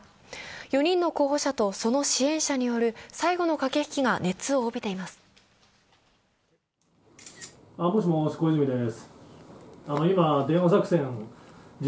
４人の候補者とその支援者による最後の駆け引きが熱を帯びています。